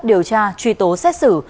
điều tra truy tố xét xử